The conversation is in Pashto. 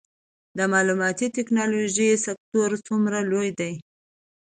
د معلوماتي ټیکنالوژۍ سکتور څومره لوی دی؟